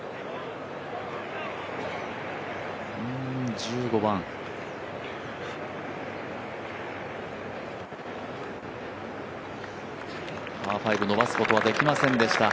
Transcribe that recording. １５番、パー５、伸ばすことはできませんでした。